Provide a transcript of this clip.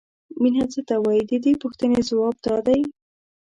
مینه څه ته وایي د دې پوښتنې ځواب دا دی.